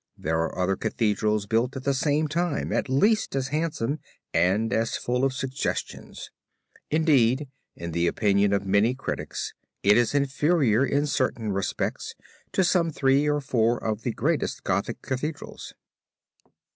There are other Cathedrals built at the same time at least as handsome and as full of suggestions. Indeed in the opinion of many critics it is inferior in certain respects to some three or four of the greatest Gothic Cathedrals.